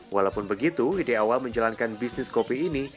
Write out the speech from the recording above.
walaupun begitu ide awal menjalankan bisnis kopi ini